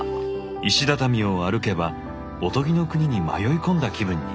石畳を歩けばおとぎの国に迷い込んだ気分になれるかも！